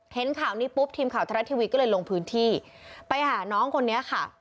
เห็นข่าวนี้ปุ๊บทีมข่าวทรัฐทีวีก็เลยลงพื้นที่ไปหาน้องคนนี้ค่ะ